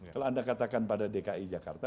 kalau anda katakan pada dki jakarta